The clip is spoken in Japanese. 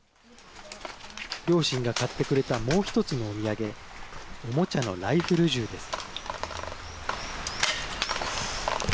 両親が買ってくれたもう１つのお土産おもちゃのライフル銃です。